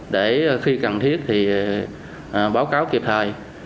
để khi cần thiết thì báo cáo kịp thời